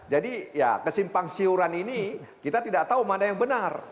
jadi ya kesimpang siuran ini kita tidak tahu mana yang benar